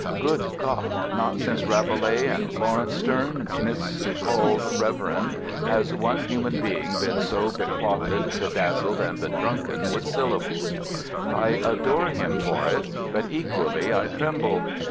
Good God, not since Rabelais and Lawrence Sterne, miscalled Reverend, has one human being been so beclotted, bedazzled, and bedrunken with syllables. I adore him for it, but equally I tremble.